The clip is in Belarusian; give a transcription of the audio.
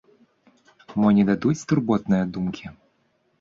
Мо не дадуць турботныя думкі?